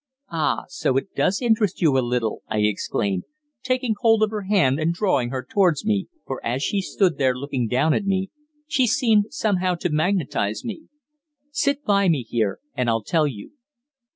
"Ah, so it does interest you a little," I exclaimed, taking hold of her hand and drawing her towards me, for as she stood there looking down at me she seemed somehow to magnetize me. "Sit by me, here, and I'll tell you."